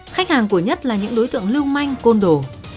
khách hàng của nhất là những đối tượng lưu manh côn đồ